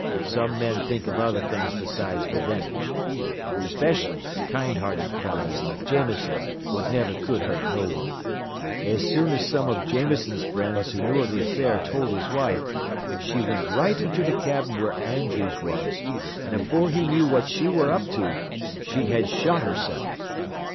Some men think av other things besides revenge. Especially kind hearted fellers like Jameson what niver cud hurt no one. As soon as some av Jameson's friends who knew of th' affair told his wife, she wint right into th' cabin where Andrews was, an' afore he knew what she ware up to, she had shot herself.